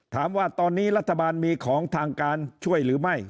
ถามว่าตอนนี้รัฐบาลมีของทางการช่วยหรือไม่